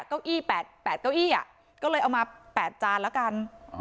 เก้าอี้แปดแปดเก้าอี้อ่ะก็เลยเอามาแปดจานแล้วกันอ๋อ